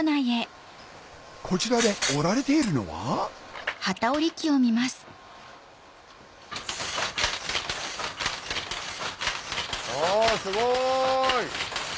こちらで織られているのはあすごい！